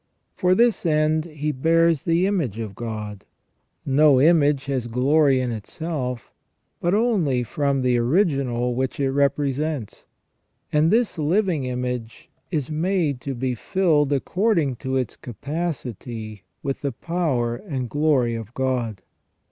For this end he bears the image of God. No image has glory in itself, but only from the original which it represents. And this living image is made to be filled according to its capacity with the power and glory of God.